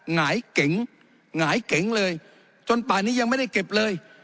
หงายเก๋งหงายเก๋งเลยจนป่านี้ยังไม่ได้เก็บเลย